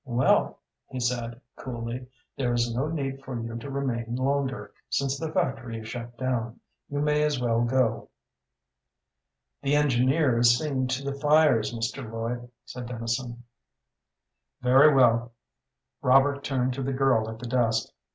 "Well," he said, coolly, "there is no need for you to remain longer, since the factory is shut down. You may as well go." "The engineer is seeing to the fires, Mr. Lloyd," said Dennison. "Very well." Robert turned to the girl at the desk.